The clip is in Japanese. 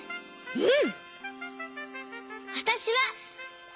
うん！